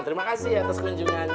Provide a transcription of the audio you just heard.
terima kasih atas kunjungannya